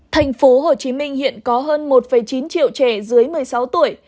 thành phố hồ chí minh hiện có hơn một chín triệu trẻ dưới một mươi sáu tuổi